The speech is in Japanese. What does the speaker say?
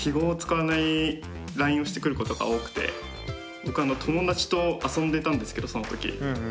僕友達と遊んでたんですけどその時。